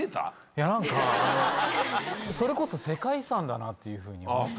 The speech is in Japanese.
いや何かそれこそ世界遺産だなっていうふうに。